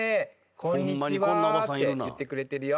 「こんにちは」って言ってくれてるよ。